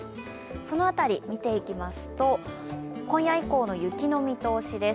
その辺り、見ていきますと、今夜以降の雪の見通しです。